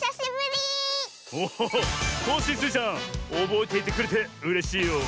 おおっコッシースイちゃんおぼえていてくれてうれしいよ。